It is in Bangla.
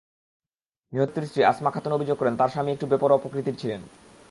নিহত ব্যক্তির স্ত্রী আসমা খাতুন অভিযোগ করেন, তাঁর স্বামী একটু বেপরোয়া প্রকৃতির ছিলেন।